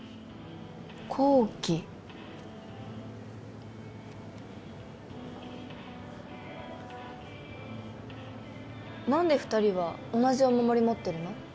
こうき何で２人は同じお守り持ってるの？